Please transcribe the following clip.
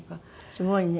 すごいね。